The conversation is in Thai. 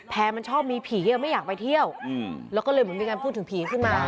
มันชอบมีผีเยอะไม่อยากไปเที่ยวแล้วก็เลยเหมือนมีการพูดถึงผีขึ้นมา